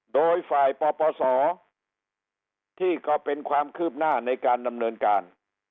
โดยฝ่ายปปศที่ก็เป็นความคืบหน้าในการดำเนินการ